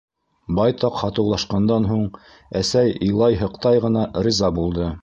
Байтаҡ һатыулашҡандан һуң, әсәй илай-һыҡтай ғына риза булды.